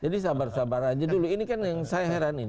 jadi sabar sabar aja dulu ini kan yang saya heran